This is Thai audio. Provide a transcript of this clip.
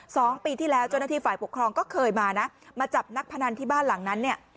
สองปีที่แล้วเจ้าหน้าที่ฝ่ายปกครองก็เคยมานะมาจับนักพนันที่บ้านหลังนั้นเนี่ย